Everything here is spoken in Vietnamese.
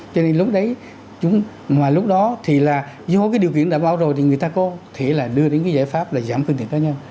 cho nên lúc đấy mà lúc đó thì là do cái điều kiện đảm bảo rồi thì người ta có thể là đưa đến cái giải pháp là giảm phương tiện cá nhân